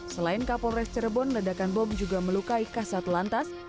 selain kapolresta cirebon ledakan bom juga melukai kasat lantai